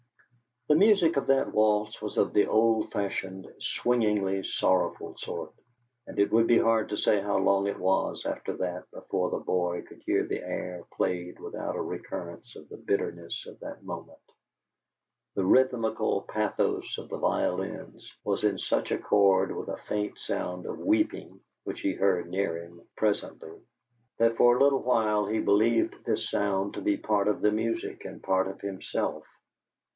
The music of that waltz was of the old fashioned swingingly sorrowful sort, and it would be hard to say how long it was after that before the boy could hear the air played without a recurrence of the bitterness of that moment. The rhythmical pathos of the violins was in such accord with a faint sound of weeping which he heard near him, presently, that for a little while he believed this sound to be part of the music and part of himself.